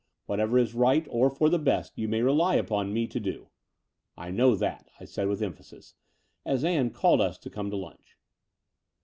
"What ever is right or for the best you may rely upon me to do." "I know that/' I said with emphasis, as Ann called us to come to lunch.